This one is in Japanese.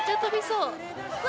うわ。